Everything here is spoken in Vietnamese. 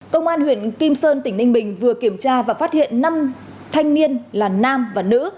công an huyện kim sơn tỉnh ninh bình vừa kiểm tra và phát hiện năm thanh niên là nam và nữ